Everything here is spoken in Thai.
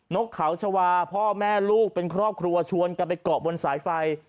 กเขาชาวาพ่อแม่ลูกเป็นครอบครัวชวนกันไปเกาะบนสายไฟ